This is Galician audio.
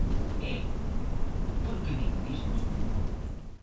E, ¿por que digo isto?